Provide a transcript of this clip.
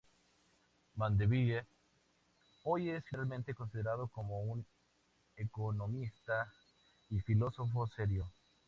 Mandeville hoy es generalmente considerado como un economista y filósofo serio.